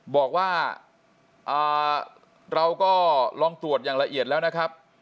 บอกว่าเราก็ลองตรวจอย่างละเอียดแล้วนะครับ